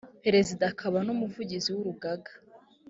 perezida akaba n umuvugizi w urugaga